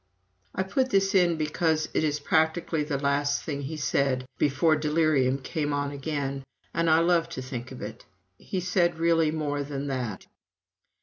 I put this in because it is practically the last thing he said before delirium came on again, and I love to think of it. He said really more than that.